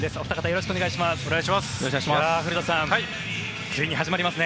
よろしくお願いします。